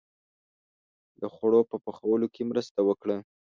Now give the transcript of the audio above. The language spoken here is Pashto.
• د خوړو په پخولو کې مرسته وکړه.